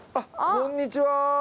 こんにちは。